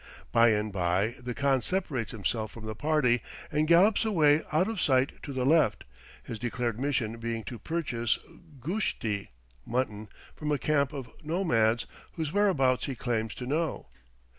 By and by the khan separates himself from the party and gallops away out of sight to the left, his declared mission being to purchase "goosht i" (mutton) from a camp of nomads, whose whereabouts he claims to know.